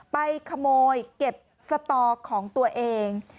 ไปขโมยเก็บสตอของตัวเอง